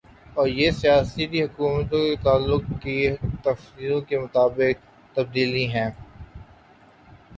اور یہ سیاسی حقیقتیں طاقت کے تقاضوں کے مطابق ڈھلتی ہیں۔